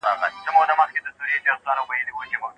هغه د امنيتي ځواکونو حساب اخيست.